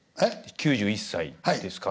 ９１歳ですか？